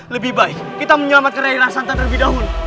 lebih baik kita menyelamatkan rai rai santan lebih dahulu